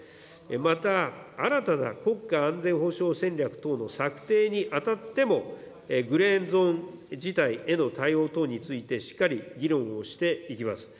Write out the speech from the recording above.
また、新たな国家安全保障戦略等の策定にあたっても、グレーゾーン事態への対応等について、しっかり議論をしていきます。